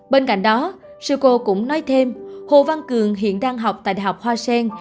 bên cạnh đó sư cô cũng nói thêm hồ văn cường hiện đang học tại đại học hoa sen